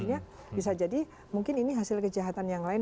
sehingga bisa jadi mungkin ini hasil kejahatan yang lain